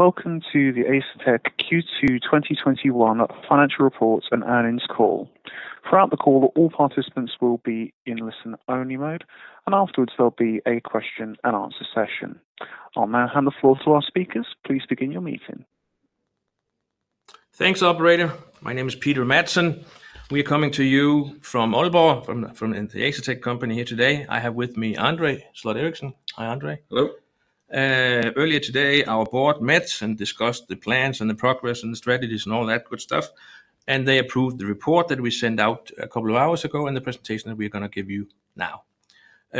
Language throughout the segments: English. Welcome to the Asetek Q2 2021 financial reports and earnings call. Throughout the call, all participants will be in listen-only mode. Afterwards, there'll be a question and answer session. I'll now hand the floor to our speakers. Thanks, operator. My name is Peter Madsen. We are coming to you from Aalborg from the Asetek company here today. I have with me André Sloth Eriksen. Hi, André. Hello. Earlier today, our board met and discussed the plans and the progress and the strategies and all that good stuff. They approved the report that we sent out 2 hours ago and the presentation that we are going to give you now.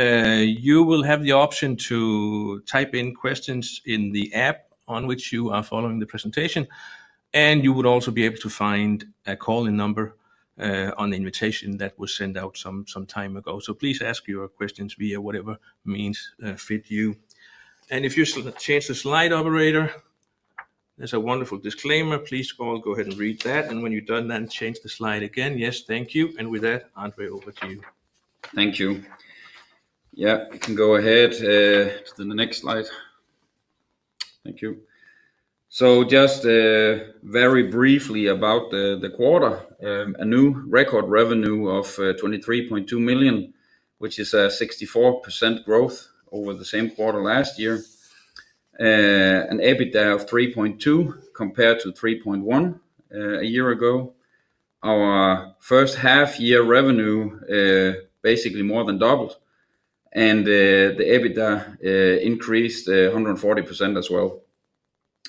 You will have the option to type in questions in the app on which you are following the presentation. You would also be able to find a call-in number on the invitation that was sent out some time ago. Please ask your questions via whatever means fit you. If you change the slide, operator, there's a wonderful disclaimer. Please all go ahead and read that. When you're done, then change the slide again. Yes, thank you. With that, André, over to you. Thank you. You can go ahead to the next slide. Thank you. Just very briefly about the quarter, a new record revenue of $23.2 million, which is a 64% growth over the same quarter last year. An EBITDA of $3.2 compared to $3.1 a year ago. Our first half-year revenue basically more than doubled, and the EBITDA increased 140% as well.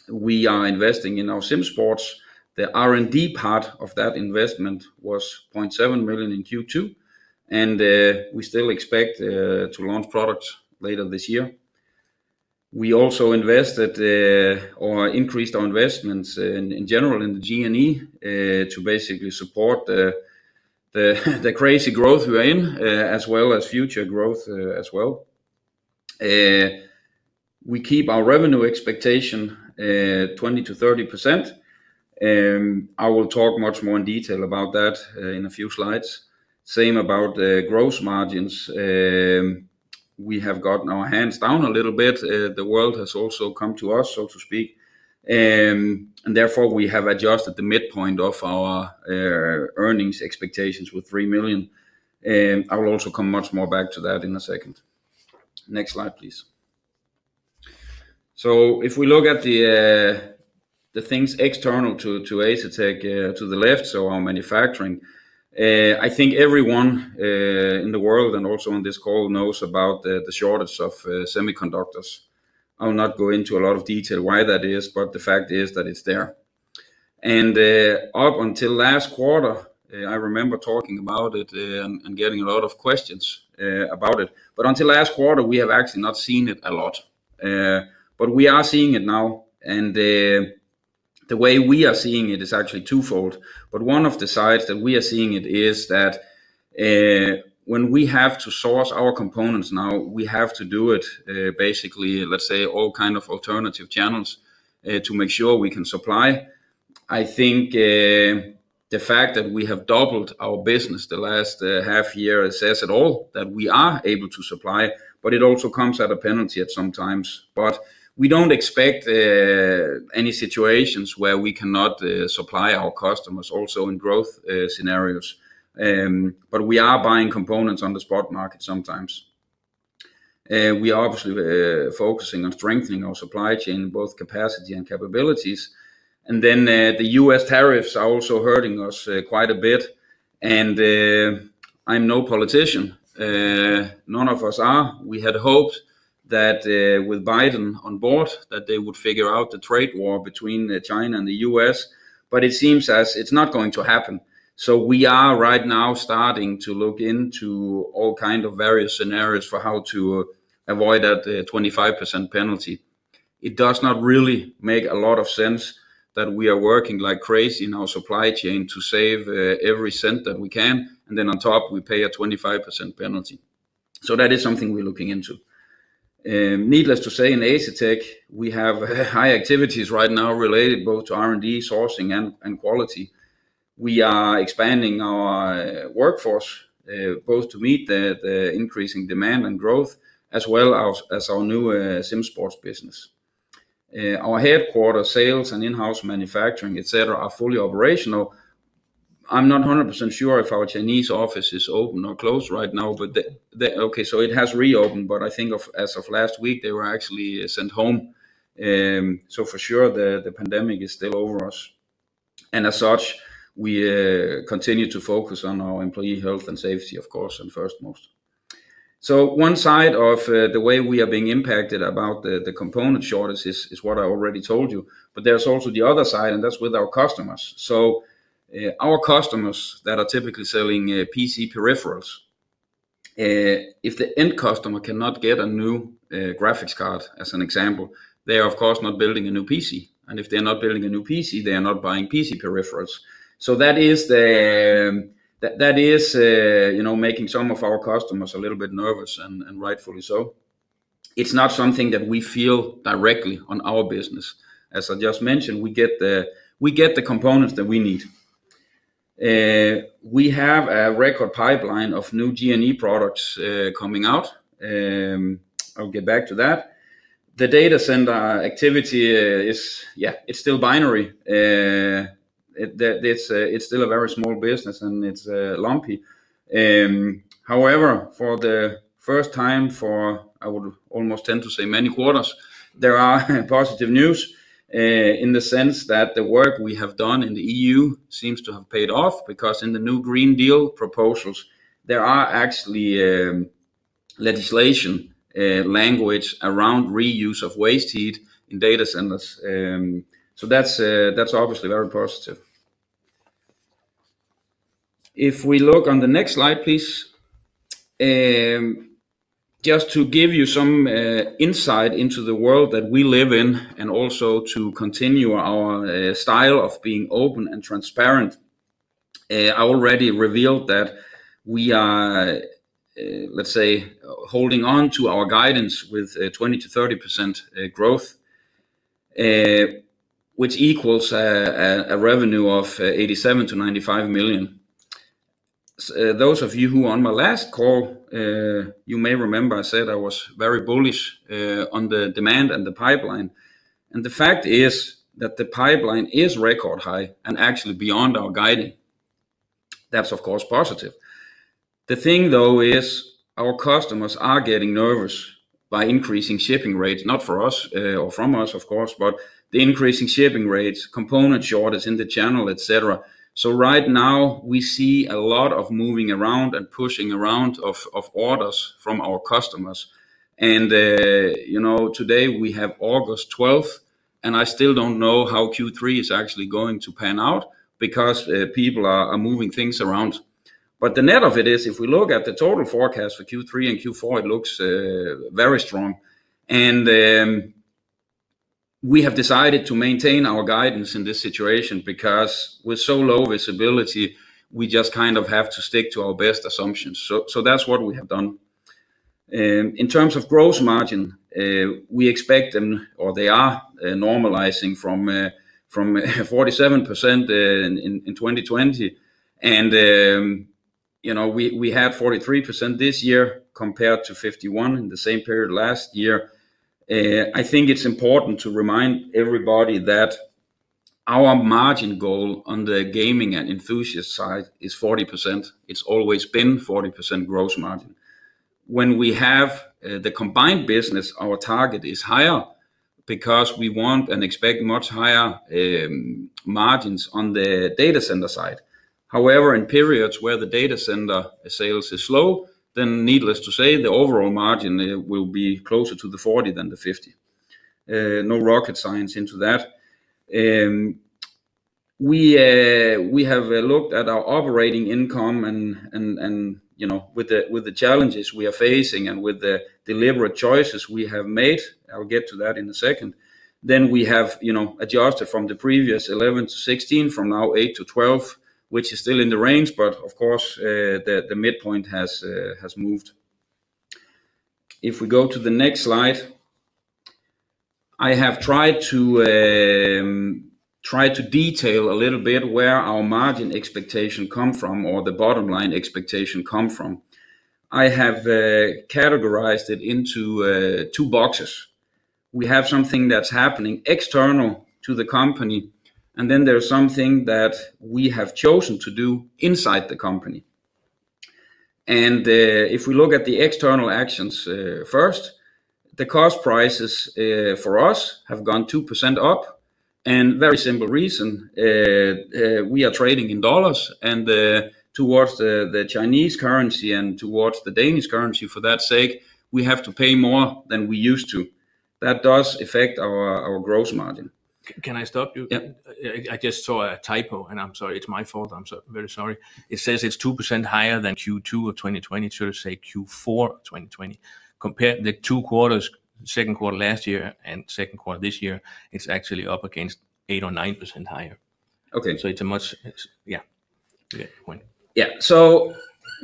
We are investing in our SimSports. The R&D part of that investment was $0.7 million in Q2, and we still expect to launch products later this year. We also increased our investments in general in the G&E to basically support the crazy growth we're in as well as future growth as well. We keep our revenue expectation 20%-30%. I will talk much more in detail about that in a few slides. Same about the gross margins. We have gotten our hands down a little bit. The world has also come to us, so to speak, and therefore, we have adjusted the midpoint of our earnings expectations with 3 million. I will also come much more back to that in a second. Next slide, please. If we look at the things external to Asetek to the left, so our manufacturing, I think everyone in the world and also on this call knows about the shortage of semiconductors. I will not go into a lot of detail why that is, but the fact is that it's there. Up until last quarter, I remember talking about it and getting a lot of questions about it, but until last quarter, we have actually not seen it a lot. We are seeing it now, and the way we are seeing it is actually twofold. One of the sides that we are seeing it is that when we have to source our components now, we have to do it basically, let's say, all kind of alternative channels to make sure we can supply. I think the fact that we have doubled our business the last half year says it all, that we are able to supply, but it also comes at a penalty at some times. We don't expect any situations where we cannot supply our customers also in growth scenarios, but we are buying components on the spot market sometimes. We are obviously focusing on strengthening our supply chain, both capacity and capabilities. The U.S. tariffs are also hurting us quite a bit. I'm no politician, none of us are. We had hoped that with Biden on board, that they would figure out the trade war between China and the U.S., but it seems as it's not going to happen. We are right now starting to look into all kind of various scenarios for how to avoid that 25% penalty. It does not really make a lot of sense that we are working like crazy in our supply chain to save every cent that we can, and then on top, we pay a 25% penalty. That is something we're looking into. Needless to say, in Asetek, we have high activities right now related both to R&D sourcing and quality. We are expanding our workforce, both to meet the increasing demand and growth as well as our new SimSports business. Our headquarter sales and in-house manufacturing, et cetera, are fully operational. I'm not 100% sure if our Chinese office is open or closed right now. Okay, so it has reopened, but I think as of last week, they were actually sent home. For sure the pandemic is still over us, and as such, we continue to focus on our employee health and safety, of course, and first most. One side of the way we are being impacted about the component shortage is what I already told you, but there's also the other side, and that's with our customers. Our customers that are typically selling PC peripherals, if the end customer cannot get a new graphics card, as an example, they are of course not building a new PC, and if they're not building a new PC, they are not buying PC peripherals. That is making some of our customers a little bit nervous, and rightfully so. It's not something that we feel directly on our business. As I just mentioned, we get the components that we need. We have a record pipeline of new G&E products coming out. I'll get back to that. The data center activity is still binary. It's still a very small business, and it's lumpy. However, for the first time for, I would almost tend to say many quarters, there are positive news in the sense that the work we have done in the EU seems to have paid off, because in the new Green Deal proposals, there are actually legislation language around reuse of waste heat in data centers. That's obviously very positive. If we look on the next slide, please. Just to give you some insight into the world that we live in and also to continue our style of being open and transparent. I already revealed that we are, let's say, holding on to our guidance with 20%-30% growth, which equals a revenue of $87 million-$95 million. Those of you who were on my last call, you may remember I said I was very bullish on the demand and the pipeline. The fact is that the pipeline is record high and actually beyond our guiding. That's, of course, positive. The thing, though, is our customers are getting nervous by increasing shipping rates, not from us, of course, but the increasing shipping rates, component shortage in the channel, et cetera. Right now, we see a lot of moving around and pushing around of orders from our customers. Today we have August 12th, and I still don't know how Q3 is actually going to pan out because people are moving things around. The net of it is, if we look at the total forecast for Q3 and Q4, it looks very strong. We have decided to maintain our guidance in this situation because with so low visibility, we just have to stick to our best assumptions. That's what we have done. In terms of gross margin, we expect them or they are normalizing from 47% in 2020, and we have 43% this year compared to 51% in the same period last year. I think it's important to remind everybody that our margin goal on the gaming and enthusiast side is 40%. It's always been 40% gross margin. When we have the combined business, our target is higher because we want and expect much higher margins on the data center side. In periods where the data center sales is slow, then needless to say, the overall margin will be closer to 40% than 50%. No rocket science into that. We have looked at our operating income and with the challenges we are facing and with the deliberate choices we have made, I'll get to that in a second, then we have adjusted from the previous 11%-16%, from now 8%-12%, which is still in the range, but of course, the midpoint has moved. We go to the next slide, I have tried to detail a little bit where our margin expectation come from or the bottom line expectation come from. I have categorized it into 2 boxes. We have something that's happening external to the company, and then there's something that we have chosen to do inside the company. If we look at the external actions first, the cost prices for us have gone 2% up, and very simple reason, we are trading in U.S. dollars and towards the Chinese currency and towards the Danish currency, for that sake, we have to pay more than we used to. That does affect our gross margin. Can I stop you? Yep. I just saw a typo, and I'm sorry. It's my fault. I'm very sorry. It says it's 2% higher than Q2 of 2020. It should say Q4 of 2020. Compared the two quarters, second quarter last year and second quarter this year, it's actually up against 8% or 9% higher. Okay. Yeah. Good point.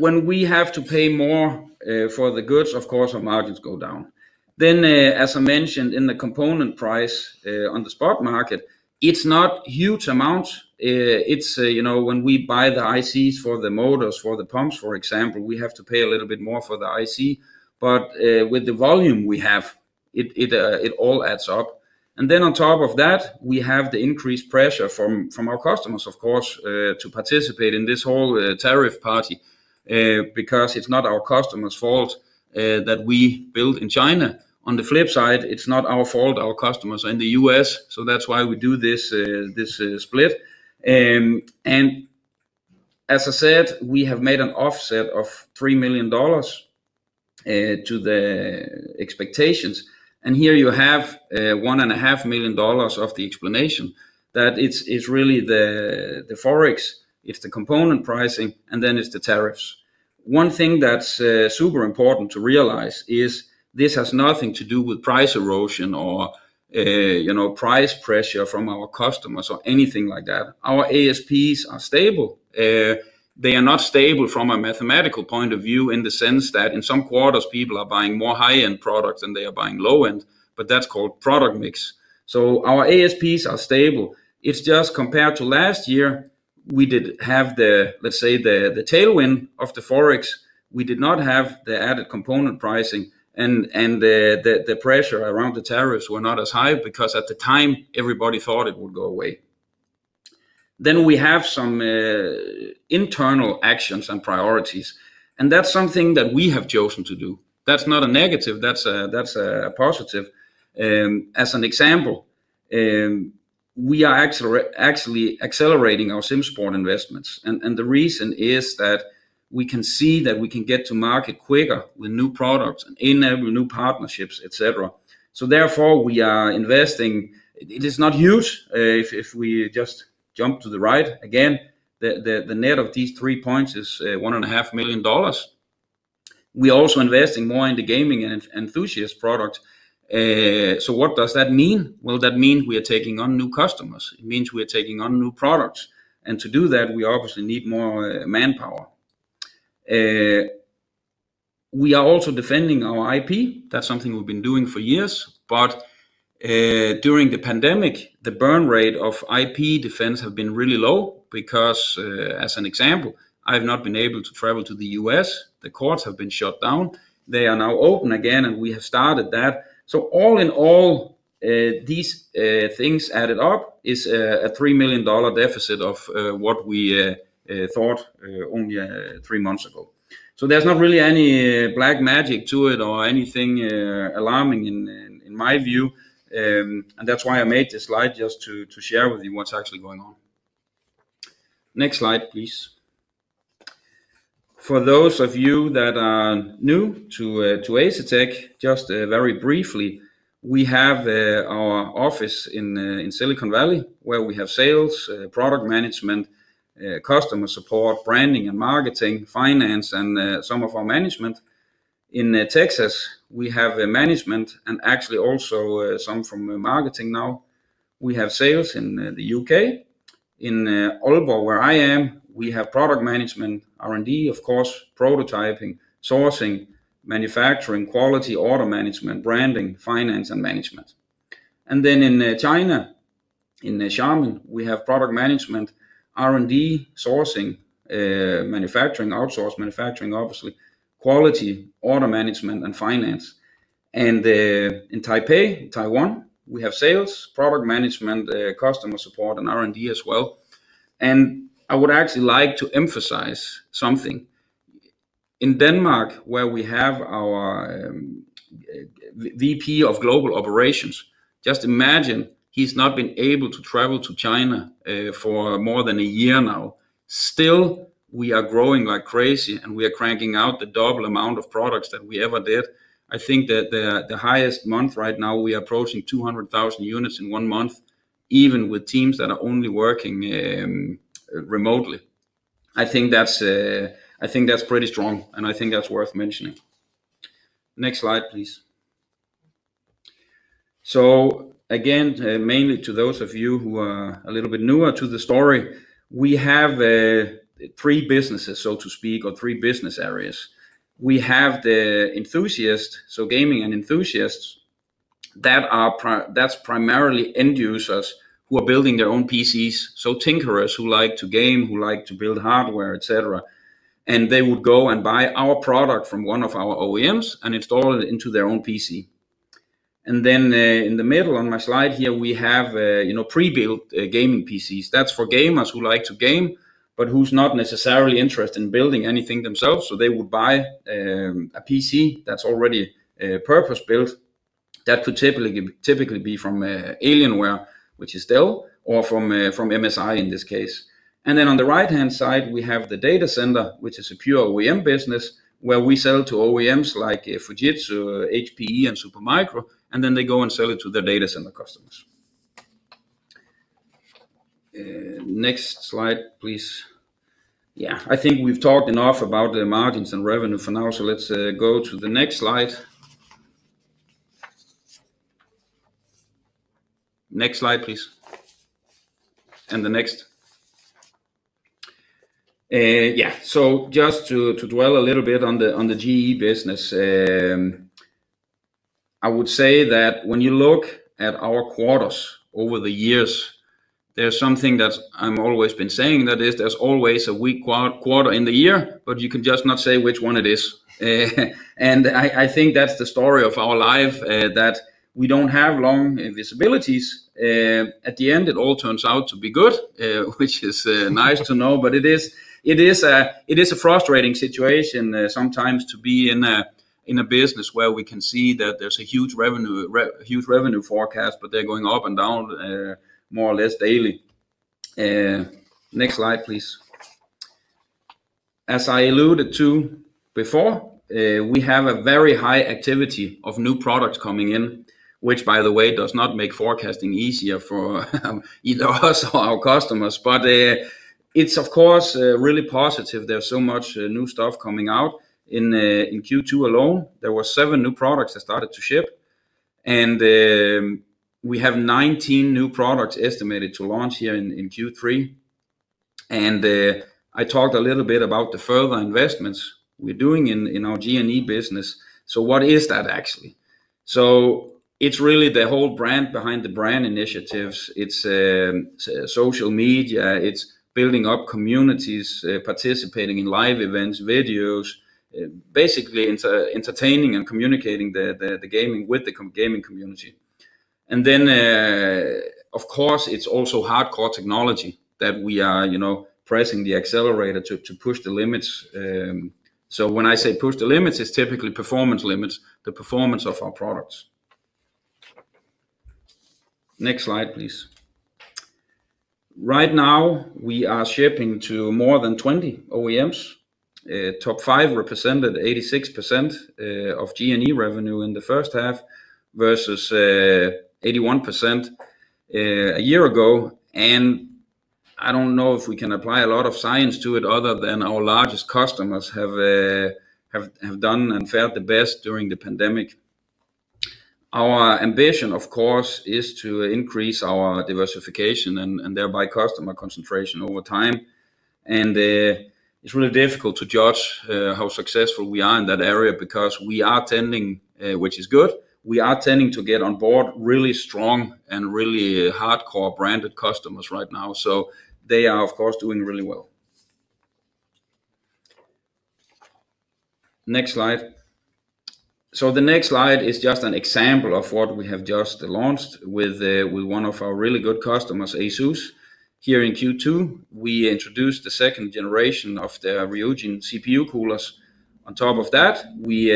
When we have to pay more for the goods, of course, our margins go down. As I mentioned in the component price on the spot market, it is not huge amounts. It is when we buy the ICs for the motors, for the pumps, for example, we have to pay a little bit more for the IC. With the volume we have, it all adds up. On top of that, we have the increased pressure from our customers, of course, to participate in this whole tariff party, because it is not our customers' fault that we build in China. On the flip side, it is not our fault our customers are in the U.S., that is why we do this split. As I said, we have made an offset of $3 million to the expectations. Here you have $1.5 million of the explanation that it's really the Forex, it's the component pricing, and then it's the tariffs. One thing that's super important to realize is this has nothing to do with price erosion or price pressure from our customers or anything like that. Our ASPs are stable. They are not stable from a mathematical point of view in the sense that in some quarters, people are buying more high-end products than they are buying low-end, but that's called product mix. Our ASPs are stable. It's just compared to last year, we did have the, let's say, the tailwind of the Forex. We did not have the added component pricing and the pressure around the tariffs were not as high because, at the time, everybody thought it would go away. We have some internal actions and priorities, and that is something that we have chosen to do. That is not a negative, that is a positive. As an example, we are actually accelerating our SimSports investments, and the reason is that we can see that we can get to market quicker with new products and enable new partnerships, et cetera. Therefore, we are investing. It is not huge. If we just jump to the right, again, the net of these three points is $1.5 We are also investing more in the gaming and enthusiast product. What does that mean? Well, that means we are taking on new customers. It means we are taking on new products, and to do that, we obviously need more manpower. We are also defending our IP. That is something we have been doing for years. During the pandemic, the burn rate of IP defense have been really low because, as an example, I have not been able to travel to the U.S., the courts have been shut down. They are now open again, and we have started that. All in all, these things added up is a $3 million deficit of what we thought only three months ago. There's not really any black magic to it or anything alarming in my view. That's why I made this slide, just to share with you what's actually going on. Next slide, please. For those of you that are new to Asetek, just very briefly, we have our office in Silicon Valley where we have sales, product management, customer support, branding and marketing, finance, and some of our management. In Texas, we have management and actually also some from marketing now. We have sales in the U.K, in Aalborg, where I am, we have product management, R&D, of course, prototyping, sourcing, manufacturing, quality, order management, branding, finance, and management. In China, in Xiamen, we have product management, R&D, sourcing, manufacturing, outsourced manufacturing obviously, quality, order management, and finance. In Taipei, Taiwan, we have sales, product management, customer support, and R&D as well. I would actually like to emphasize something. In Denmark, where we have our VP of Global Operations, just imagine he's not been able to travel to China for more than a year now. Still, we are growing like crazy, and we are cranking out the double amount of products that we ever did. I think that the highest month right now, we are approaching 200,000 units in 1 month, even with teams that are only working remotely. I think that's pretty strong, and I think that's worth mentioning. Next slide, please. Again, mainly to those of you who are a little bit newer to the story, we have three businesses, so to speak, or three business areas. We have the enthusiast, gaming and enthusiasts. That's primarily end users who are building their own PCs, so tinkerers who like to game, who like to build hardware, et cetera, and they would go and buy our product from one of our OEMs and install it into their own PC. In the middle on my slide here, we have pre-built gaming PCs. That's for gamers who like to game but who's not necessarily interested in building anything themselves. They would buy a PC that's already purpose-built. That could typically be from Alienware, which is Dell, or from MSI in this case. On the right-hand side, we have the data center, which is a pure OEM business, where we sell to OEMs like Fujitsu, HPE, and Supermicro, and then they go and sell it to their data center customers. Next slide, please. I think we've talked enough about the margins and revenue for now, so let's go to the next slide. Next slide, please. The next. Just to dwell a little bit on the G&E business. I would say that when you look at our quarters over the years, there's something that I'm always been saying. That is, there's always a weak quarter in the year, but you can just not say which one it is. I think that's the story of our life, that we don't have long visibilities. At the end, it all turns out to be good, which is nice to know. It is a frustrating situation sometimes to be in a business where we can see that there's a huge revenue forecast, but they're going up and down more or less daily. Next slide, please. As I alluded to before, we have a very high activity of new products coming in, which, by the way, does not make forecasting easier for either us or our customers. It's of course, really positive there's so much new stuff coming out. In Q2 alone, there were seven new products that started to ship. We have 19 new products estimated to launch here in Q3. I talked a little bit about the further investments we're doing in our G&E business. What is that actually? It's really the whole brand behind the brand initiatives. It's social media, it's building up communities, participating in live events, videos, basically entertaining and communicating the gaming with the gaming community. Of course, it's also hardcore technology that we are pressing the accelerator to push the limits. When I say push the limits, it's typically performance limits, the performance of our products. Next slide, please. Right now, we are shipping to more than 20 OEMs. Top five represented 86% of G&E revenue in the first half, versus 81% a year ago. I don't know if we can apply a lot of science to it other than our largest customers have done and fared the best during the pandemic. Our ambition, of course, is to increase our diversification and thereby customer concentration over time. It's really difficult to judge how successful we are in that area because we are tending, which is good, we are tending to get on board really strong and really hardcore branded customers right now. They are, of course, doing really well. Next slide. The next slide is just an example of what we have just launched with one of our really good customers, ASUS. Here in Q2, we introduced the 2nd generation of their Ryujin CPU coolers. On top of that, we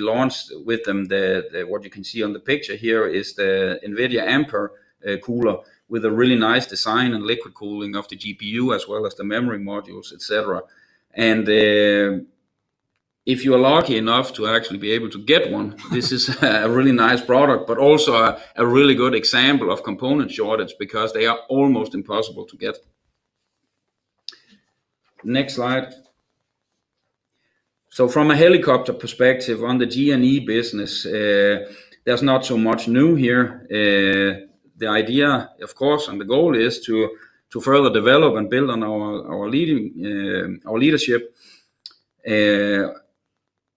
launched with them what you can see on the picture here is the NVIDIA Ampere cooler with a really nice design and liquid cooling of the GPU as well as the memory modules, et cetera. If you are lucky enough to actually be able to get one, this is a really nice product, but also a really good example of component shortage because they are almost impossible to get. Next slide. From a helicopter perspective on the G&E business, there's not so much new here. The idea, of course, and the goal is to further develop and build on our leadership.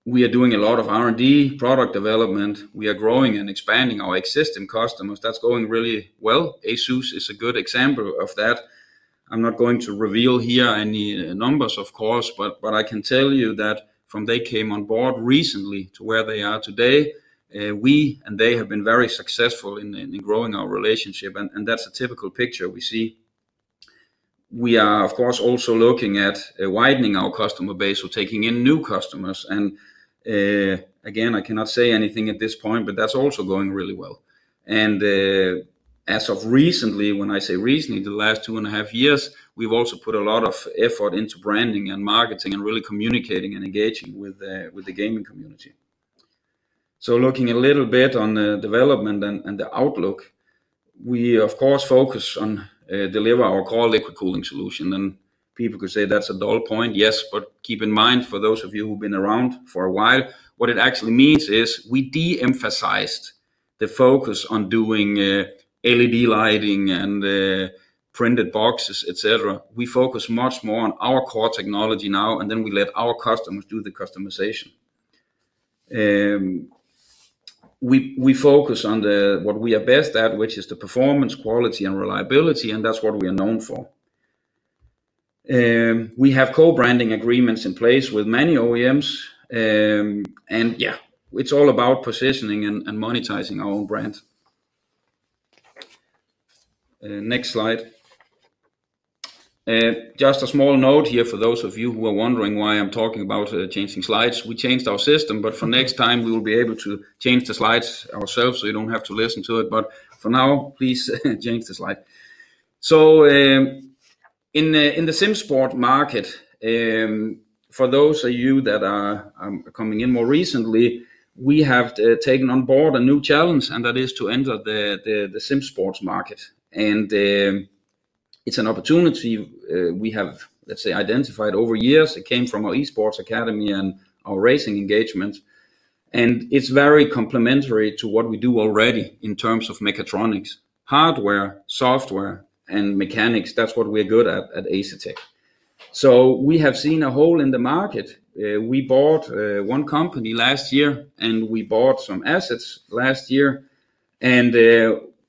We are doing a lot of R&D product development. We are growing and expanding our existing customers. That's going really well. ASUS is a good example of that. I'm not going to reveal here any numbers, of course, but what I can tell you that from they came on board recently to where they are today, we and they have been very successful in growing our relationship. That's a typical picture we see. We are, of course, also looking at widening our customer base or taking in new customers. Again, I cannot say anything at this point, but that's also going really well. As of recently, when I say recently, the last 2 and a half years, we've also put a lot of effort into branding and marketing and really communicating and engaging with the gaming community. Looking a little bit on the development and the outlook, we, of course, focus on deliver our core liquid cooling solution. People could say that's a dull point. Yes. Keep in mind, for those of you who've been around for a while, what it actually means is we de-emphasized the focus on doing LED lighting and printed boxes, et cetera. We focus much more on our core technology now, and then we let our customers do the customization. We focus on what we are best at, which is the performance, quality, and reliability, and that's what we are known for. We have co-branding agreements in place with many OEMs. Yeah, it's all about positioning and monetizing our own brand. Next slide. Just a small note here for those of you who are wondering why I'm talking about changing slides. We changed our system, but for next time, we will be able to change the slides ourselves, so you don't have to listen to it. For now, please change the slide. In the SimSports market, for those of you that are coming in more recently, we have taken on board a new challenge, and that is to enter the SimSports market. It's an opportunity we have, let's say, identified over years. It came from our eSports Academy and our racing engagement. It's very complementary to what we do already in terms of mechatronics, hardware, software, and mechanics. That's what we're good at Asetek. We have seen a hole in the market. We bought 1 company last year. We bought some assets last year.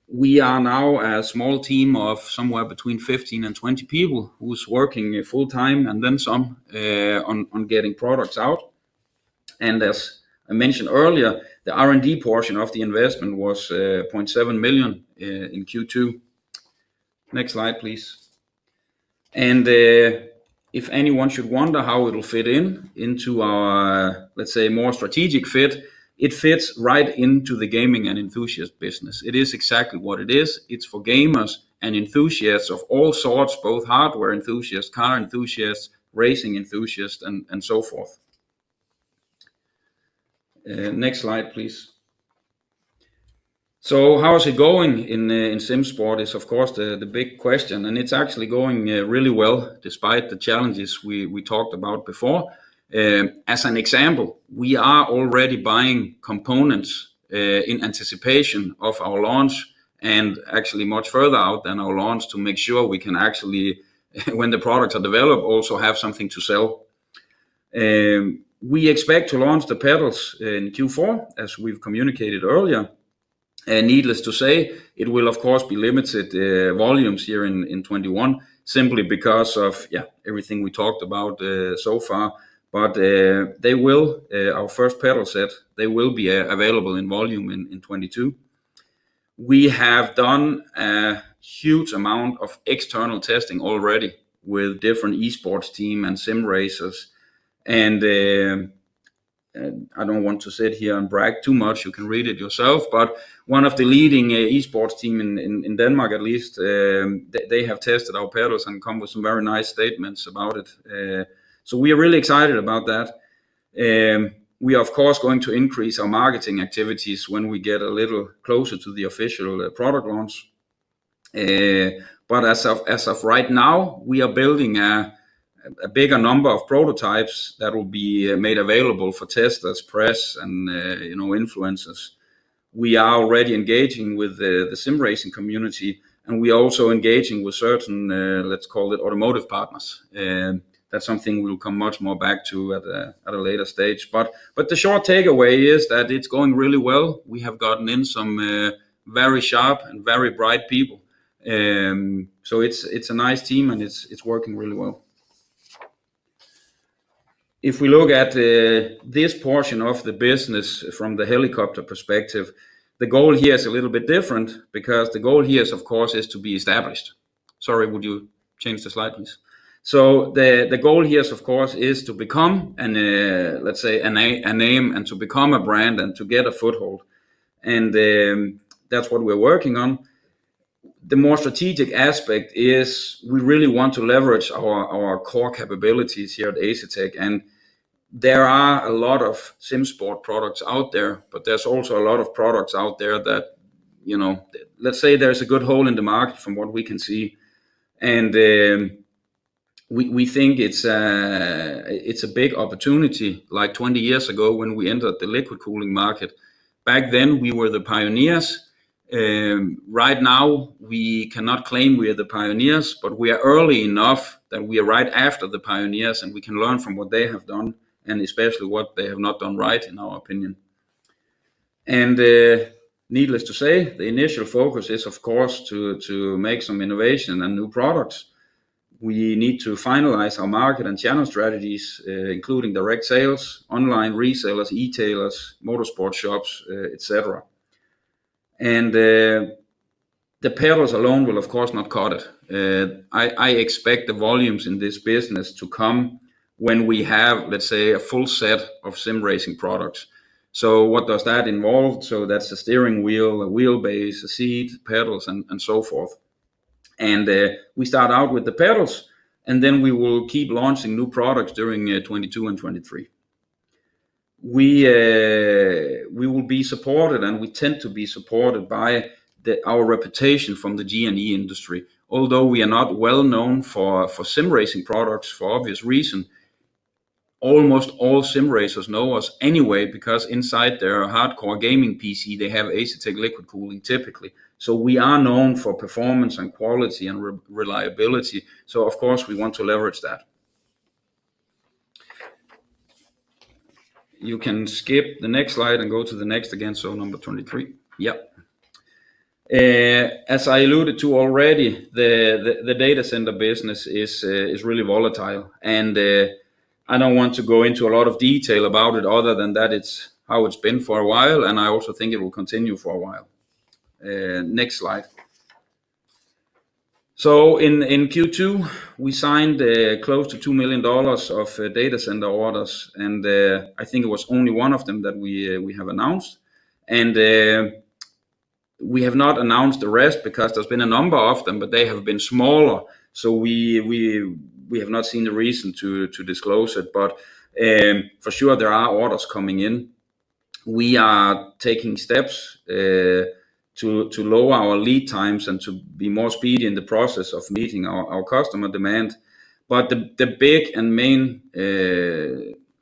We are now a small team of somewhere between 15-20 people who's working full-time, and then some on getting products out. As I mentioned earlier, the R&D portion of the investment was $0.7 million in Q2. Next slide, please. If anyone should wonder how it'll fit in into our, let's say, more strategic fit, it fits right into the gaming and enthusiast business. It is exactly what it is. It's for gamers and enthusiasts of all sorts, both hardware enthusiasts, car enthusiasts, racing enthusiasts, and so forth. Next slide, please. How is it going in SimSports is, of course, the big question, and it's actually going really well despite the challenges we talked about before. As an example, we are already buying components in anticipation of our launch and actually much further out than our launch to make sure we can actually, when the products are developed, also have something to sell. We expect to launch the pedals in Q4, as we've communicated earlier. Needless to say, it will, of course, be limited volumes here in 2021, simply because of, yeah, everything we talked about so far. Our first pedal set, they will be available in volume in 2022. We have done a huge amount of external testing already with different eSports team and sim racers, I don't want to sit here and brag too much. You can read it yourself. One of the leading eSports team in Denmark, at least, they have tested our pedals and come with some very nice statements about it. We are really excited about that. We, of course, are going to increase our marketing activities when we get a little closer to the official product launch. As of right now, we are building a bigger number of prototypes that will be made available for testers, press, and influencers. We are already engaging with the sim racing community, and we are also engaging with certain, let's call it automotive partners. That's something we'll come much more back to at a later stage. The short takeaway is that it's going really well. We have gotten in some very sharp and very bright people. It's a nice team, and it's working really well. If we look at this portion of the business from the helicopter perspective, the goal here is a little bit different because the goal here, of course, is to be established. Sorry, would you change the slide, please? The goal here, of course, is to become, let's say, a name and to become a brand and to get a foothold, and that's what we're working on. The more strategic aspect is we really want to leverage our core capabilities here at Asetek. There are a lot of sim sport products out there, but there's also a lot of products out there. Let's say there's a good hole in the market from what we can see. We think it's a big opportunity, like 20 years ago when we entered the liquid cooling market. Back then, we were the pioneers. Right now, we cannot claim we are the pioneers, but we are early enough that we are right after the pioneers, and we can learn from what they have done and especially what they have not done right, in our opinion. Needless to say, the initial focus is, of course, to make some innovation and new products. We need to finalize our market and channel strategies, including direct sales, online resellers, e-tailers, motorsport shops, et cetera. The pedals alone will, of course, not cut it. I expect the volumes in this business to come when we have, let's say, a full set of sim racing products. What does that involve? That's a steering wheel, a wheel base, a seat, pedals, and so forth. We start out with the pedals, and then we will keep launching new products during 2022 and 2023. We will be supported, and we tend to be supported by our reputation from the G&E industry. Although we are not well known for sim racing products for obvious reasons, almost all sim racers know us anyway because inside their hardcore gaming PC, they have Asetek liquid cooling, typically. We are known for performance and quality and reliability, so of course, we want to leverage that. You can skip the next slide and go to the next again, so number 23. Yep. As I alluded to already, the data center business is really volatile, and I don't want to go into a lot of detail about it other than that it's how it's been for a while, and I also think it will continue for a while. Next slide. In Q2, we signed close to $2 million of data center orders, and I think it was only one of them that we have announced. We have not announced the rest because there's been a number of them, but they have been smaller, so we have not seen the reason to disclose it. For sure, there are orders coming in. We are taking steps to lower our lead times and to be more speedy in the process of meeting our customer demand. The big and main,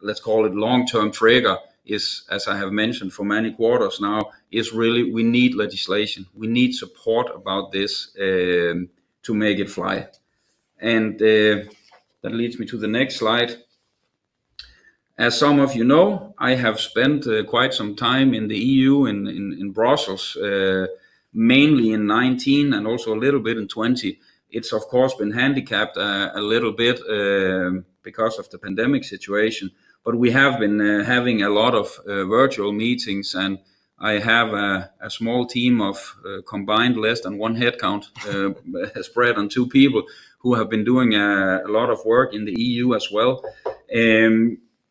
let's call it long-term trigger is, as I have mentioned for many quarters now, is really we need legislation. We need support about this to make it fly. That leads me to the next slide. As some of you know, I have spent quite some time in the EU, in Brussels, mainly in 2019, and also a little bit in 2020. It's, of course, been handicapped a little bit because of the pandemic situation, but we have been having a lot of virtual meetings, and I have a small team of combined less than one headcount spread on two people who have been doing a lot of work in the EU as well.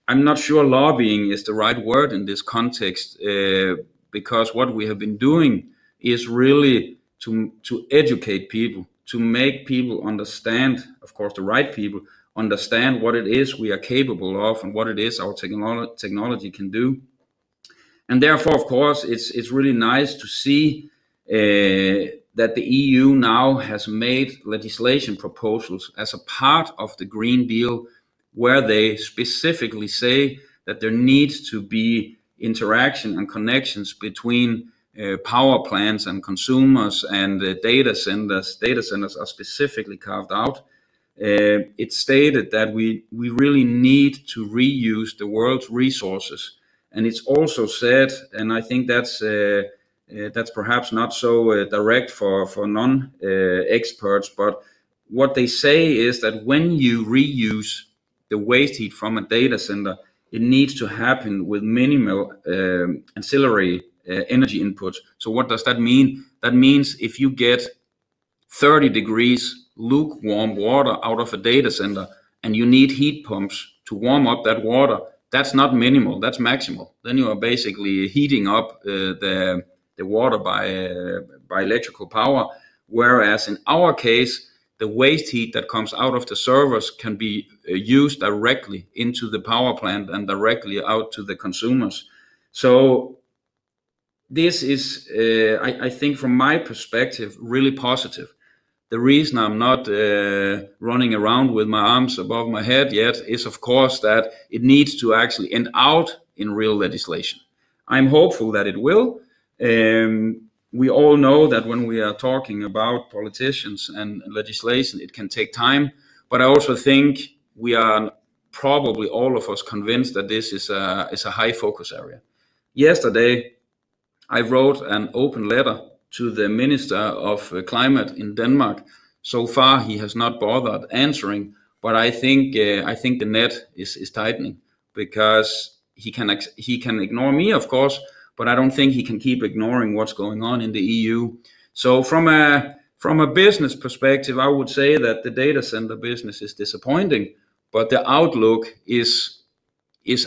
I'm not sure lobbying is the right word in this context, because what we have been doing is really to educate people, to make people understand, of course, the right people, understand what it is we are capable of and what it is our technology can do. Therefore, of course, it's really nice to see that the EU now has made legislation proposals as a part of the Green Deal, where they specifically say that there needs to be interaction and connections between power plants and consumers and the data centers. Data centers are specifically carved out. It's stated that we really need to reuse the world's resources, and it's also said, and I think that's perhaps not so direct for non-experts, but what they say is that when you reuse the waste heat from a data center, it needs to happen with minimal ancillary energy input. What does that mean? That means if you get 30° lukewarm water out of a data center and you need heat pumps to warm up that water, that's not minimal, that's maximal. You are basically heating up the water by electrical power. In our case, the waste heat that comes out of the servers can be used directly into the power plant and directly out to the consumers. This is, I think from my perspective, really positive. The reason I'm not running around with my arms above my head yet is, of course, that it needs to actually end out in real legislation. I'm hopeful that it will. We all know that when we are talking about politicians and legislation, it can take time. I also think we are probably all of us convinced that this is a high focus area. Yesterday, I wrote an open letter to the Minister of Climate in Denmark. So far, he has not bothered answering, but I think the net is tightening because he can ignore me, of course, but I don't think he can keep ignoring what's going on in the EU. From a business perspective, I would say that the data center business is disappointing, but the outlook is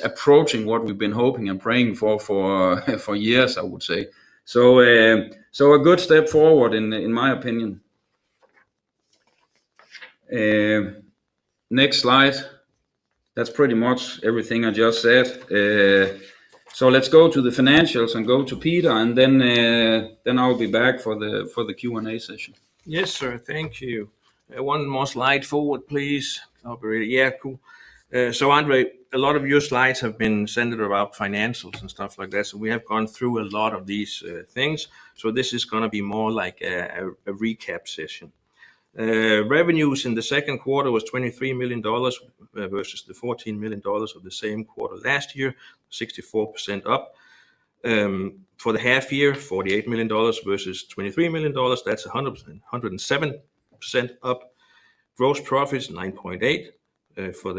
approaching what we've been hoping and praying for years, I would say. A good step forward in my opinion. Next slide. That's pretty much everything I just said. Let's go to the financials and go to Peter, and then I'll be back for the Q&A session. Yes, sir. Thank you. One more slide forward, please, operator. Yeah, cool. André, a lot of your slides have been centered around financials and stuff like that. We have gone through a lot of these things. This is going to be more like a recap session. Revenues in the second quarter was $23 million versus the $14 million of the same quarter last year, 64% up. For the half year, $48 million versus $23 million, that's 107% up. Gross profits $9.8 million for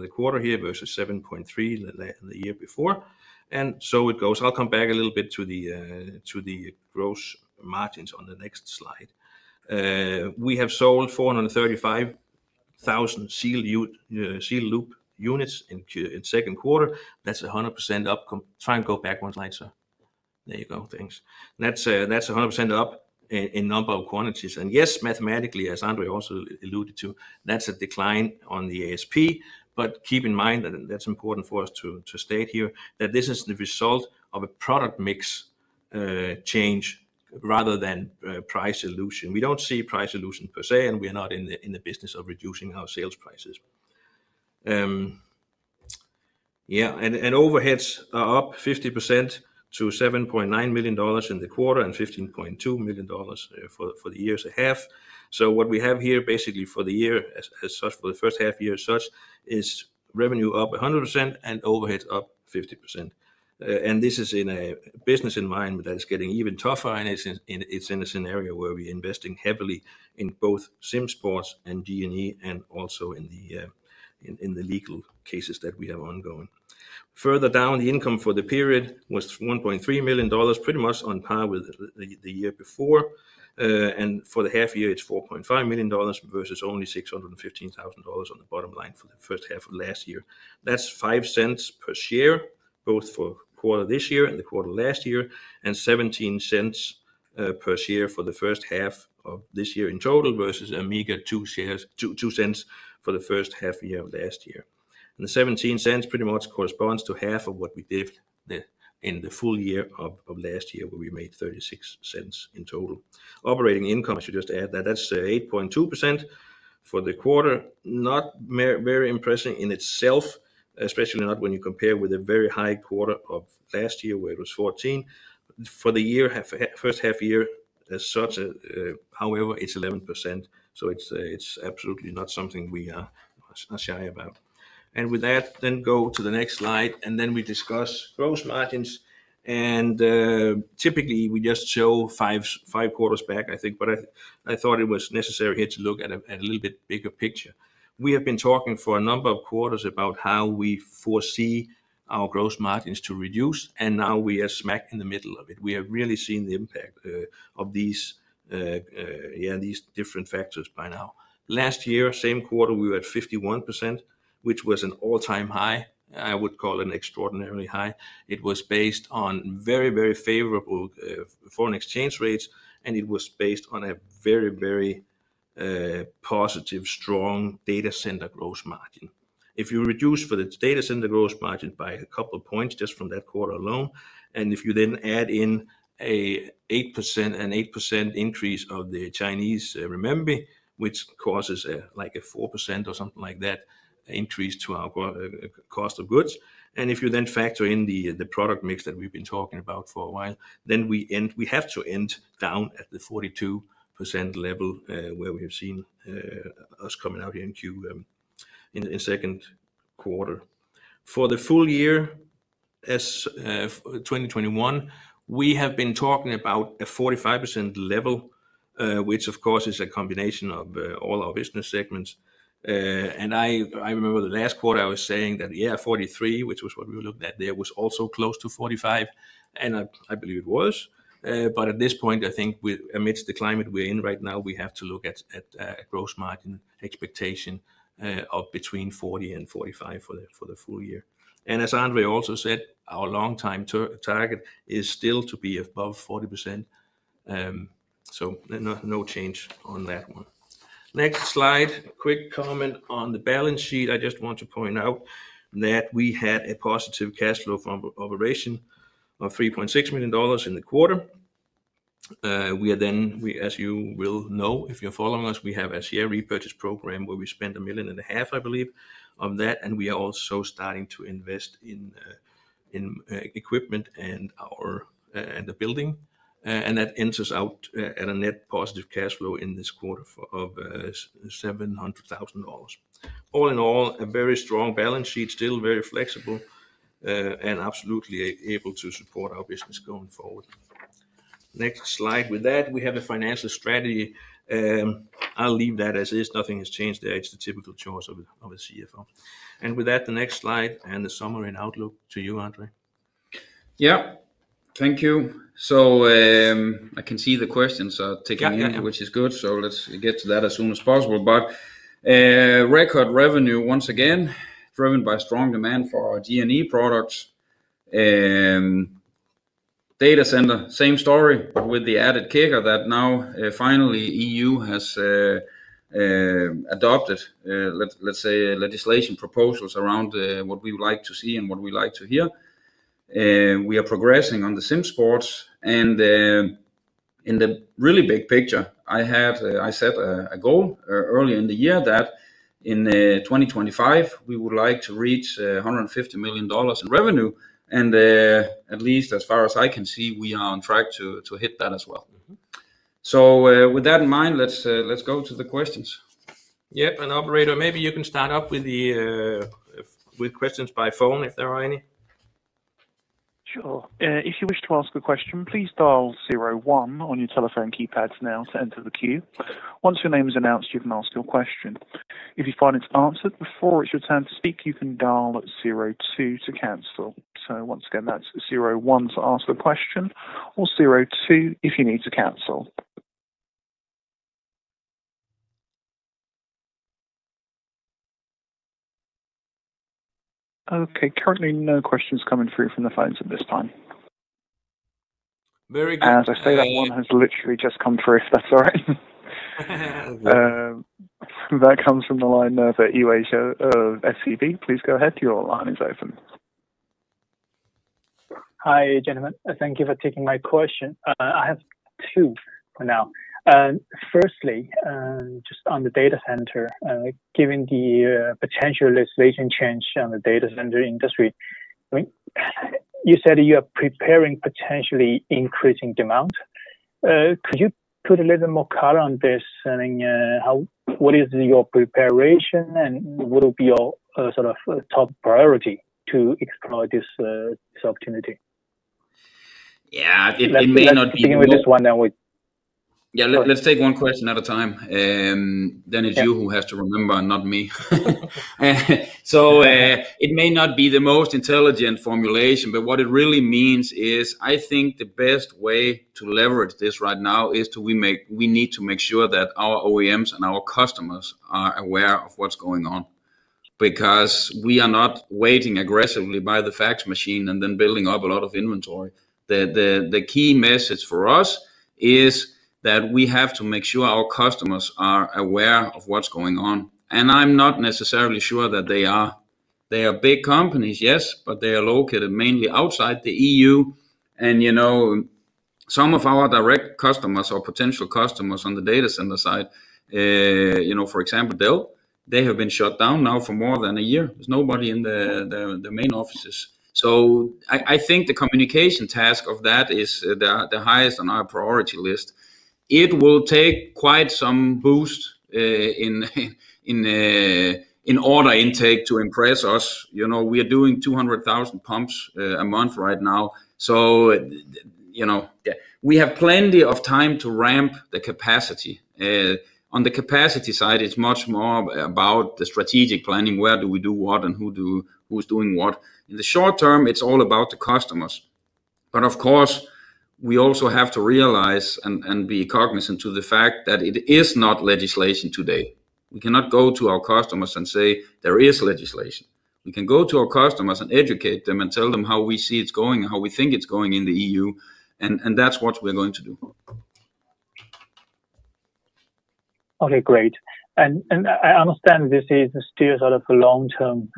the quarter here versus $7.3 million the year before, and so it goes. I'll come back a little bit to the gross margins on the next slide. We have sold 435,000 sealed loop units in second quarter. That's 100% up. Try and go back one slide, sir. There you go. Thanks. That's 100% up in number of quantities. Yes, mathematically, as André also alluded to, that's a decline on the ASP. But keep in mind that that's important for us to state here that this is the result of a product mix change rather than price erosion. We don't see price erosion per se, and we are not in the business of reducing our sales prices. Overheads are up 50% to $7.9 million in the quarter and $15.2 million for the year to half. What we have here, basically for the year as such, for the first half year as such, is revenue up 100% and overhead up 50%. This is in a business environment that is getting even tougher, and it's in a scenario where we're investing heavily in both SimSports and G&E and also in the legal cases that we have ongoing. Further down, the income for the period was $1.3 million, pretty much on par with the year before. For the half year, it's $4.5 million versus only $615,000 on the bottom line for the first half of last year. That's $0.05 per share, both for quarter this year and the quarter last year, and $0.17 per share for the first half of this year in total versus a meager $0.02 for the first half year of last year. The $0.17 pretty much corresponds to half of what we did in the full year of last year, where we made $0.36 in total. Operating income, I should just add that's 8.2% for the quarter. Not very impressive in itself, especially not when you compare with a very high quarter of last year where it was 14%. For the first half year as such, however, it's 11%, so it's absolutely not something we are shy about. With that, then go to the next slide, and then we discuss gross margins. Typically, we just show five quarters back, I think, but I thought it was necessary here to look at a little bit bigger picture. We have been talking for a number of quarters about how we foresee our gross margins to reduce, and now we are smack in the middle of it. We have really seen the impact of these different factors by now. Last year, same quarter, we were at 51%. Which was an all-time high. I would call it an extraordinarily high. It was based on very, very favorable foreign exchange rates, and it was based on a very, very positive, strong data center gross margin. If you reduce for the data center gross margin by a couple points just from that quarter alone, and if you then add in an 8% increase of the Chinese renminbi, which causes a 4% or something like that increase to our cost of goods, and if you then factor in the product mix that we've been talking about for a while, then we have to end down at the 42% level, where we have seen us coming out here in second quarter. For the full year, as of 2021, we have been talking about a 45% level, which of course is a combination of all our business segments. I remember the last quarter I was saying that, yeah, 43%, which was what we looked at there, was also close to 45%, and I believe it was. At this point, I think amidst the climate we're in right now, we have to look at a gross margin expectation of between 40%-45% for the full year. As André also said, our long-time target is still to be above 40%. No change on that one. Next slide. A quick comment on the balance sheet. I just want to point out that we had a positive cash flow from operation of $3.6 million in the quarter. We are then, as you will know, if you're following us, we have a share repurchase program where we spend $1.5 million, I believe, of that, and we are also starting to invest in equipment and the building. That ends us out at a net positive cash flow in this quarter of $700,000. All in all, a very strong balance sheet, still very flexible, and absolutely able to support our business going forward. Next slide. With that, we have a financial strategy. I'll leave that as is. Nothing has changed there. It's the typical chores of a CFO. With that, the next slide, and the summary and outlook to you, André Sloth Eriksen. Yeah. Thank you. I can see the questions are ticking in. Yeah Which is good, so let's get to that as soon as possible. Record revenue once again, driven by strong demand for our G&E products. Data center, same story with the added kicker that now finally EU has adopted, let's say, legislation proposals around what we would like to see and what we like to hear. We are progressing on the SimSports. In the really big picture, I set a goal early in the year that in 2025, we would like to reach $150 million in revenue, and at least as far as I can see, we are on track to hit that as well. With that in mind, let's go to the questions. Operator, maybe you can start off with questions by phone if there are any. Sure. If you wish to ask a question, please dial zero one on your telephone keypads now to enter the queue. Once your name is announced, you can ask your question. If you find it's answered before it's your turn to speak, you can dial zero two to cancel. Once again, that's zero one to ask the question, or zero two if you need to cancel. Okay. Currently, no questions coming through from the phones at this time. Very good. As I say that, one has literally just come through, if that's all right. That comes from the line there for Eurasia SEB. Please go ahead. Your line is open. Hi, gentlemen. Thank you for taking my question. I have two for now. Firstly, just on the data center, given the potential legislation change on the data center industry, you said you are preparing potentially increasing demand. Could you put a little more color on this? What is your preparation, and what will be your sort of top priority to explore this opportunity? Yeah. Let's begin with this one. Let's take 1 question at a time. It's you who has to remember, not me. It may not be the most intelligent formulation, but what it really means is, I think the best way to leverage this right now is we need to make sure that our OEMs and our customers are aware of what's going on. We are not waiting aggressively by the fax machine and then building up a lot of inventory. The key message for us is that we have to make sure our customers are aware of what's going on, and I'm not necessarily sure that they are. They are big companies, yes, but they are located mainly outside the EU. Some of our direct customers or potential customers on the data center side, for example, Dell, they have been shut down now for more than 1 year. There's nobody in the main offices. I think the communication task of that is the highest on our priority list. It will take quite some boost in order intake to impress us. We are doing 200,000 pumps a month right now, so we have plenty of time to ramp the capacity. On the capacity side, it's much more about the strategic planning. Where do we do what, and who's doing what? In the short term, it's all about the customers. Of course, we also have to realize and be cognizant of the fact that it is not legislation today. We cannot go to our customers and say there is legislation. We can go to our customers and educate them and tell them how we see it's going, how we think it's going in the EU, and that's what we're going to do. Okay, great. I understand this is still a long-term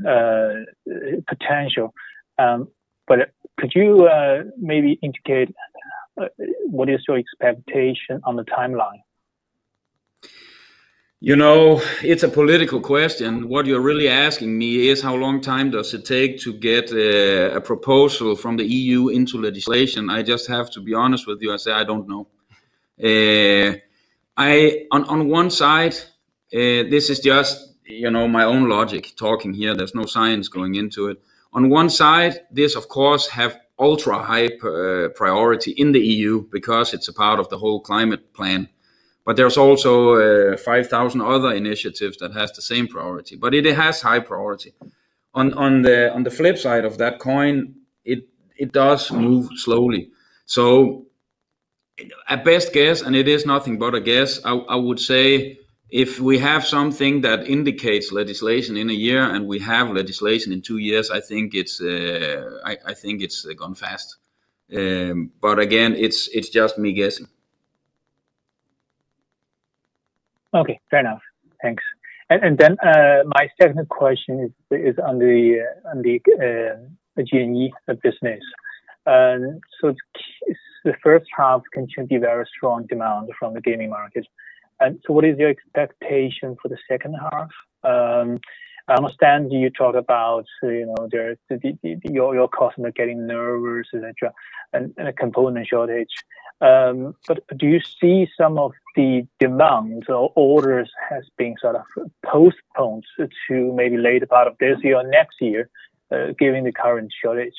potential. Could you maybe indicate what is your expectation on the timeline? It's a political question. What you're really asking me is how long does it take to get a proposal from the EU into legislation? I just have to be honest with you and say, I don't know. On one side, this is just my own logic talking here. There's no science going into it. On one side, this of course has ultra-high priority in the EU because it's a part of the whole climate plan. There's also 5,000 other initiatives that have the same priority. It has high priority. On the flip side of that coin, it does move slowly. At best guess, and it is nothing but a guess, I would say if we have something that indicates legislation in a year and we have legislation in 2 years, I think it's gone fast. Again, it's just me guessing. Okay. Fair enough. Thanks. My second question is on the G&E business. The first half continued very strong demand from the gaming market. What is your expectation for the second half? I understand you talk about your customer getting nervous, et cetera, and a component shortage. Do you see some of the demands or orders have been postponed to maybe later part of this year or next year, given the current shortage?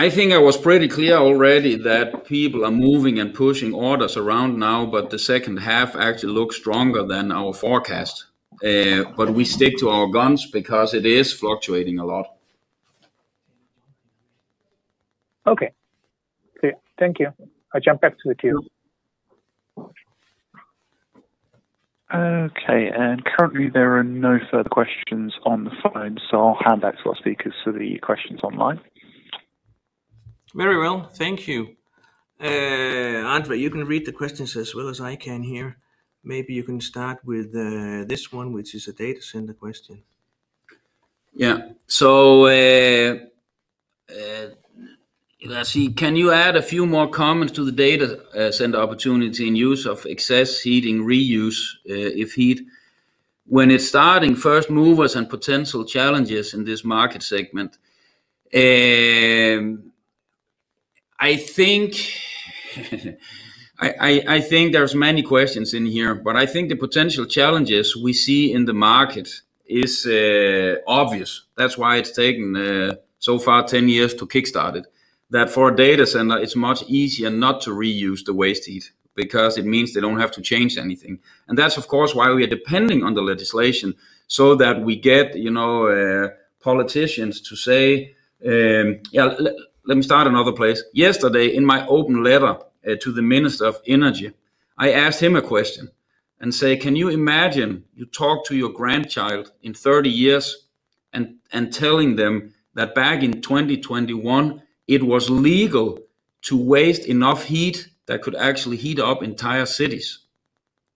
I think I was pretty clear already that people are moving and pushing orders around now, but the second half actually looks stronger than our forecast. We stick to our guns because it is fluctuating a lot. Okay. Thank you. I jump back to the queue. Okay. Currently there are no further questions on the phone, so I'll hand back to our speakers for the questions online. Very well. Thank you. André, you can read the questions as well as I can here. Maybe you can start with this one, which is a data center question. Yeah. Let's see. Can you add a few more comments to the data center opportunity and use of excess heating reuse if heat, when it's starting first movers and potential challenges in this market segment? I think there's many questions in here, but I think the potential challenges we see in the market is obvious. That's why it's taken so far 10 years to kickstart it. That for a data center, it's much easier not to reuse the waste heat because it means they don't have to change anything. That's of course why we are depending on the legislation so that we get politicians to say. Let me start another place. Yesterday, in my open letter to the Minister of Energy, I asked him a question and say, "Can you imagine you talk to your grandchild in 30 years and telling them that back in 2021, it was legal to waste enough heat that could actually heat up entire cities?"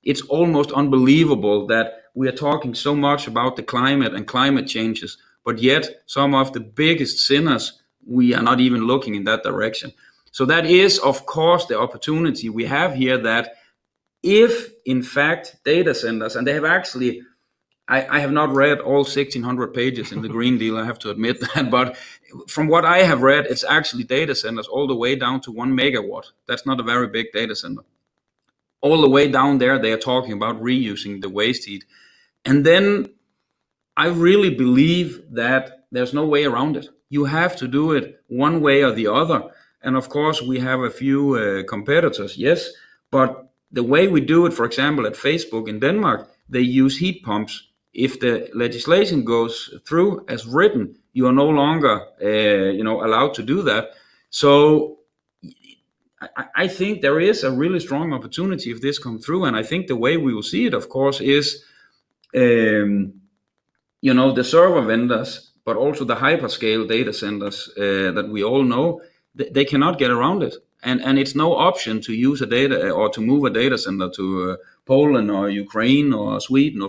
It's almost unbelievable that we are talking so much about the climate and climate changes, but yet some of the biggest sinners, we are not even looking in that direction. That is, of course, the opportunity we have here that if in fact data centers, I have not read all 1,600 pages in the Green Deal, I have to admit that. From what I have read, it's actually data centers all the way down to 1 MW. That's not a very big data center. All the way down there, they are talking about reusing the waste heat. I really believe that there's no way around it. You have to do it one way or the other. Of course, we have a few competitors, yes. The way we do it, for example, at Facebook in Denmark, they use heat pumps. If the legislation goes through as written, you are no longer allowed to do that. I think there is a really strong opportunity if this comes through, and I think the way we will see it, of course, is the server vendors, but also the hyperscale data centers that we all know, they cannot get around it. It's no option to move a data center to Poland or Ukraine or Sweden.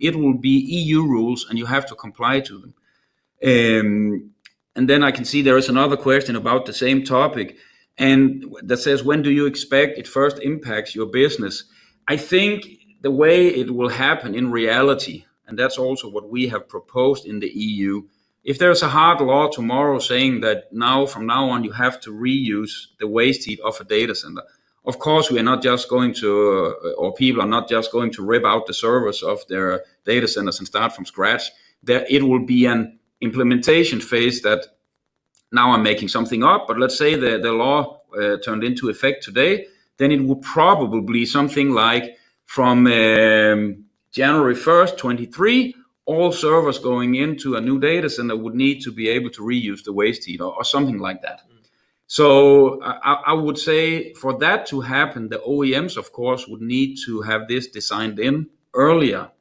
It will be EU rules, and you have to comply to them. I can see there is another question about the same topic, and that says, when do you expect it first impacts your business? I think the way it will happen in reality, and that's also what we have proposed in the EU, if there's a hard law tomorrow saying that from now on, you have to reuse the waste heat of a data center, of course, people are not just going to rip out the servers of their data centers and start from scratch. It will be an implementation phase that now I'm making something up, but let's say the law turned into effect today, then it will probably something like from January 1st, 2023, all servers going into a new data center would need to be able to reuse the waste heat or something like that. I would say for that to happen, the OEMs, of course, would need to have this designed in earlier.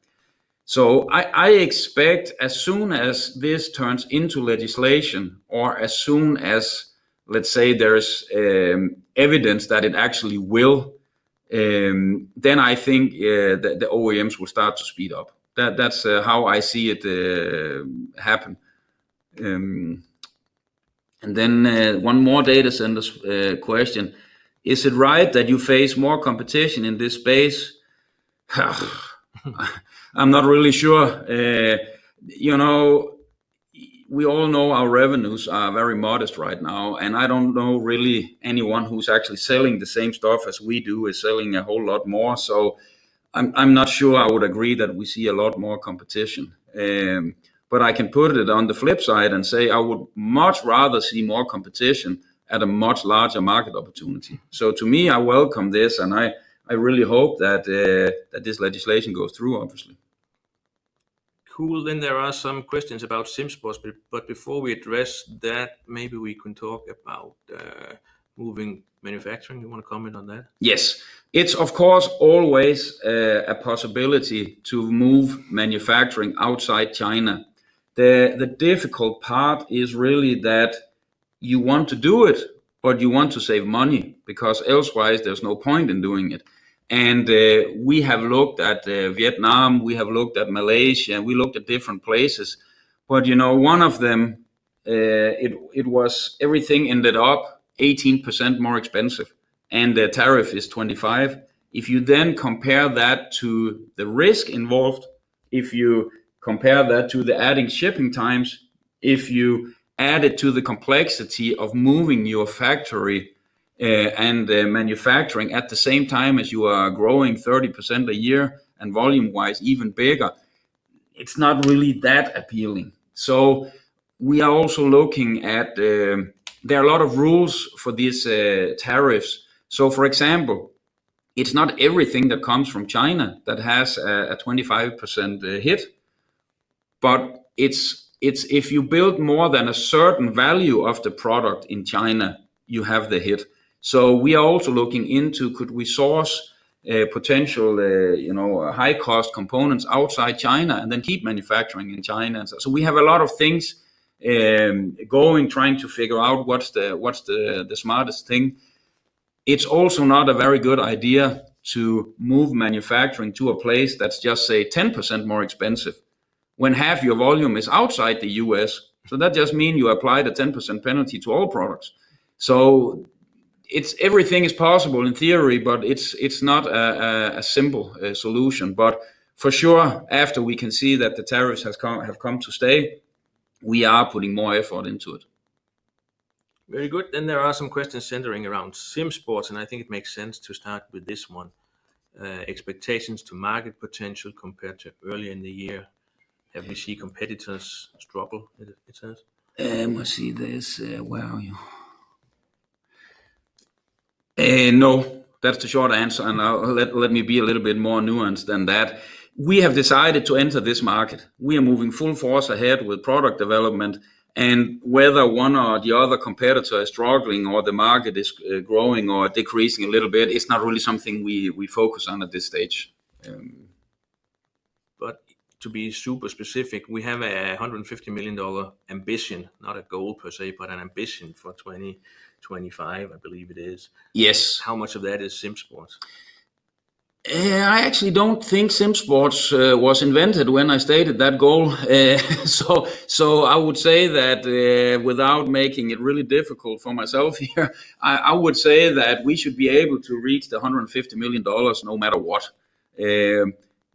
I expect as soon as this turns into legislation or as soon as, let's say, there's evidence that it actually will, then I think the OEMs will start to speed up. That's how I see it happen. One more data center question. Is it right that you face more competition in this space? I'm not really sure. We all know our revenues are very modest right now. I don't know really anyone who's actually selling the same stuff as we do is selling a whole lot more. I'm not sure I would agree that we see a lot more competition. I can put it on the flip side and say I would much rather see more competition at a much larger market opportunity. To me, I welcome this, and I really hope that this legislation goes through, obviously. Cool. There are some questions about SimSports, but before we address that, maybe we can talk about moving manufacturing. You want to comment on that? Yes. It's of course, always a possibility to move manufacturing outside China. The difficult part is really that you want to do it, but you want to save money, because elsewise, there's no point in doing it. We have looked at Vietnam, we have looked at Malaysia, and we looked at different places. One of them, it was everything ended up 18% more expensive, and their tariff is 25. If you compare that to the risk involved, if you compare that to the adding shipping times, if you add it to the complexity of moving your factory and the manufacturing at the same time as you are growing 30% a year and volume-wise even bigger, it's not really that appealing. There are a lot of rules for these tariffs. For example, it's not everything that comes from China that has a 25% hit, but it's if you build more than a certain value of the product in China, you have the hit. We are also looking into could we source potential high-cost components outside China and then keep manufacturing in China. We have a lot of things going, trying to figure out what's the smartest thing. It's also not a very good idea to move manufacturing to a place that's just, say, 10% more expensive when half your volume is outside the U.S. That just mean you apply the 10% penalty to all products. Everything is possible in theory, but it's not a simple solution. For sure, after we can see that the tariffs have come to stay, we are putting more effort into it. Very good. There are some questions centering around SimSports, and I think it makes sense to start with this one. Expectations to market potential compared to earlier in the year. Have you seen competitors struggle, it says? Let me see this. Where are you? That's the short answer, and let me be a little bit more nuanced than that. We have decided to enter this market. We are moving full force ahead with product development, and whether one or the other competitor is struggling or the market is growing or decreasing a little bit, it's not really something we focus on at this stage. To be super specific, we have a $150 million ambition, not a goal per se, but an ambition for 2025, I believe it is. Yes. How much of that is SimSports? I actually don't think SimSports was invented when I stated that goal. I would say that without making it really difficult for myself here, I would say that we should be able to reach the $150 million no matter what.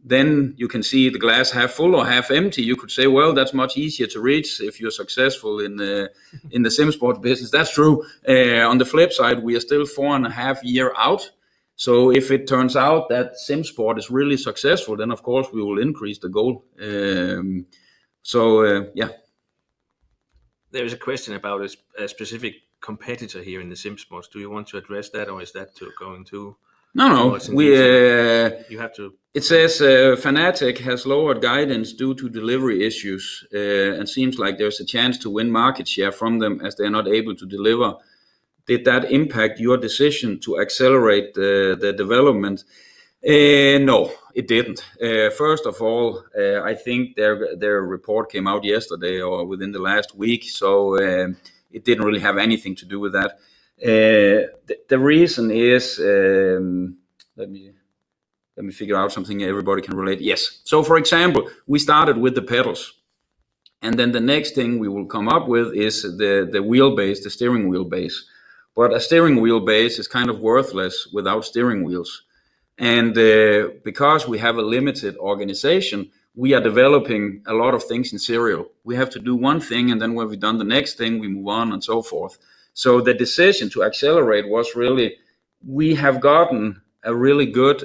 You can see the glass half full or half empty. You could say, well, that's much easier to reach if you're successful in the SimSports business. That's true. On the flip side, we are still four and a half year out. If it turns out that SimSports is really successful, then of course, we will increase the goal. Yeah. There is a question about a specific competitor here in the SimSports. Do you want to address that? No. You have to- It says Fanatec has lowered guidance due to delivery issues, seems like there's a chance to win market share from them as they're not able to deliver. Did that impact your decision to accelerate the development? No, it didn't. First of all, I think their report came out yesterday or within the last week, it didn't really have anything to do with that. The reason is, let me figure out something everybody can relate. Yes. For example, we started with the pedals, then the next thing we will come up with is the wheel base, the steering wheel base. A steering wheel base is kind of worthless without steering wheels. Because we have a limited organization, we are developing a lot of things in serial. We have to do one thing, and then when we've done the next thing, we move on and so forth. The decision to accelerate was really, we have gotten a really good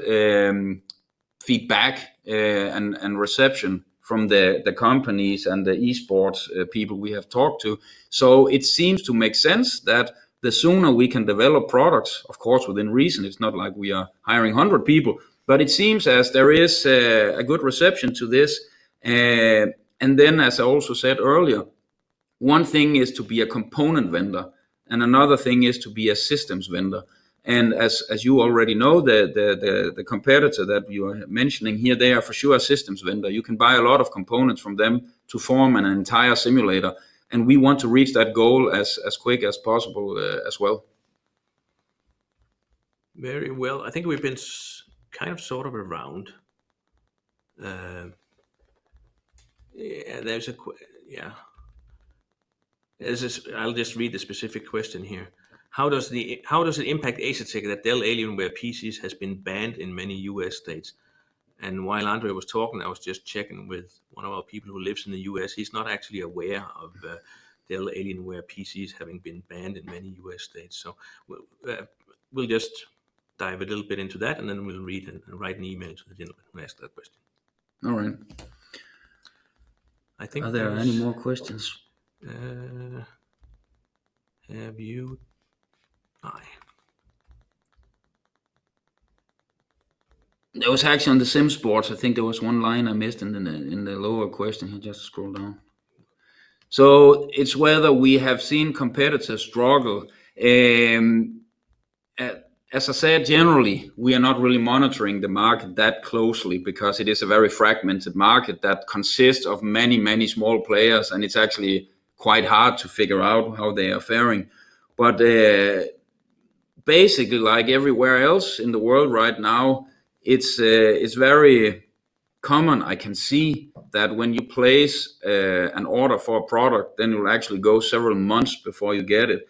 feedback and reception from the companies and the eSports people we have talked to. It seems to make sense that the sooner we can develop products, of course, within reason, it's not like we are hiring 100 people, but it seems as there is a good reception to this. As I also said earlier. One thing is to be a component vendor, and another thing is to be a systems vendor. As you already know, the competitor that you are mentioning here, they are for sure a systems vendor. You can buy a lot of components from them to form an entire simulator, and we want to reach that goal as quick as possible as well. Very well. I think we've been sort of around. I'll just read the specific question here. How does it impact Asetek that Dell Alienware PCs has been banned in many U.S. states? While André was talking, I was just checking with one of our people who lives in the U.S. He's not actually aware of Dell Alienware PCs having been banned in many U.S. states. We'll just dive a little bit into that, and then we'll write an email to the gentleman who asked that question. All right. Are there any more questions? Have you? That was actually on the SimSports. I think there was 1 line I missed in the lower question here. Just scroll down. It's whether we have seen competitors struggle. As I said, generally, we are not really monitoring the market that closely because it is a very fragmented market that consists of many, many small players, and it's actually quite hard to figure out how they are faring. Basically, like everywhere else in the world right now, it's very common. I can see that when you place an order for a product, then it'll actually go several months before you get it.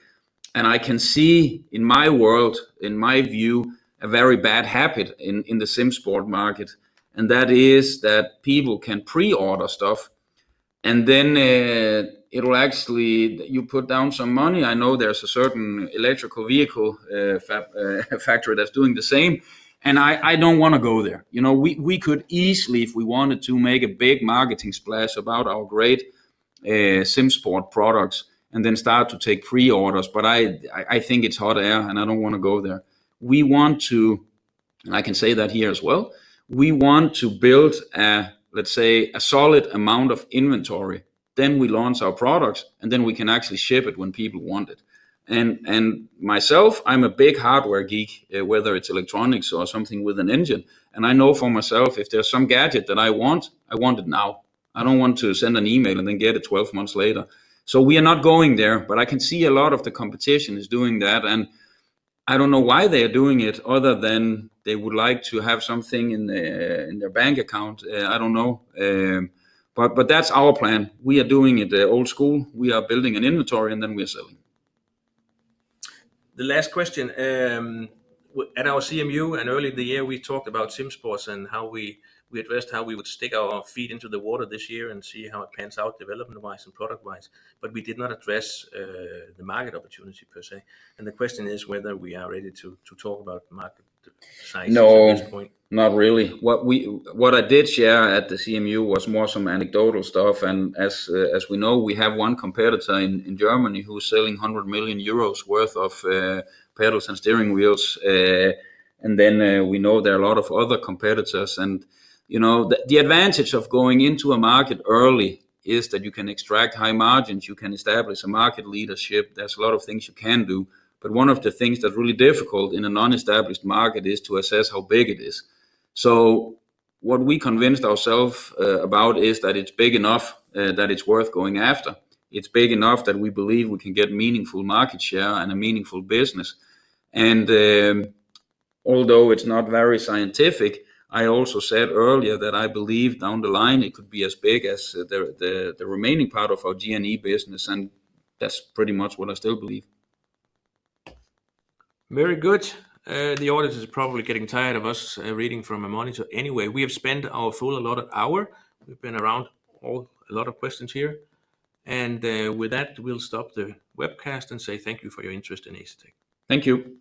I can see in my world, in my view, a very bad habit in the SimSports market, and that is that people can pre-order stuff, and then you put down some money. I know there's a certain electrical vehicle factory that's doing the same, and I don't want to go there. We could easily, if we wanted to, make a big marketing splash about our great SimSports products and then start to take pre-orders, but I think it's hot air, and I don't want to go there. I can say that here as well, we want to build, let's say, a solid amount of inventory. We launch our products, and then we can actually ship it when people want it. Myself, I'm a big hardware geek, whether it's electronics or something with an engine. I know for myself, if there's some gadget that I want, I want it now. I don't want to send an email and then get it 12 months later. We are not going there, but I can see a lot of the competition is doing that, and I don't know why they are doing it other than they would like to have something in their bank account. I don't know. That's our plan. We are doing it the old school. We are building an inventory, and then we are selling. The last question. At our CMU and early in the year, we talked about SimSports and how we addressed how we would stick our feet into the water this year and see how it pans out development-wise and product-wise, but we did not address the market opportunity per se. The question is whether we are ready to talk about market sizes at this point. No, not really. What I did share at the CMU was more some anecdotal stuff. As we know, we have one competitor in Germany who's selling 100 million euros worth of pedals and steering wheels. We know there are a lot of other competitors. The advantage of going into a market early is that you can extract high margins. You can establish a market leadership. There's a lot of things you can do. One of the things that's really difficult in a non-established market is to assess how big it is. What we convinced ourselves about is that it's big enough that it's worth going after. It's big enough that we believe we can get meaningful market share and a meaningful business. Although it's not very scientific, I also said earlier that I believe down the line it could be as big as the remaining part of our G&E business, and that's pretty much what I still believe. Very good. The audience is probably getting tired of us reading from a monitor. We have spent our full allotted hour. We've been around a lot of questions here. With that, we'll stop the webcast and say thank you for your interest in Asetek. Thank you.